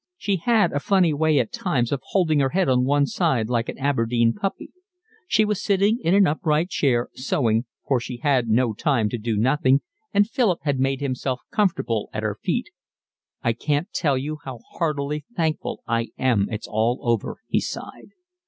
She had a funny way at times of holding her head on one side like an Aberdeen puppy. She was sitting in an upright chair, sewing, for she had no time to do nothing, and Philip had made himself comfortable at her feet. "I can't tell you how heartily thankful I am it's all over," he sighed.